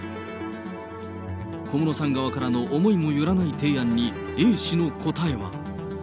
小室さん側の思いも寄らない提案に、Ａ氏の答えは。